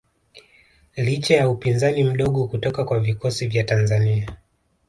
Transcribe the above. Licha ya upinzani mdogo kutoka kwa vikosi vya Tanzania